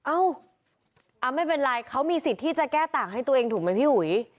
เอ้าไม่เป็นไรเขามีสิทธิ์ที่จะแก้ต่างให้ตัวเองถูกไหมพี่อุ๋ย